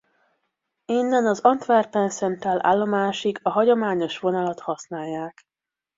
Innen az Antwerpen Central állomásig a hagyományos vonalat használják.